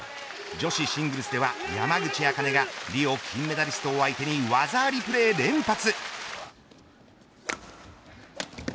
女子シングルスでは山口茜がリオ金メダリストを相手に技ありプレーを連発。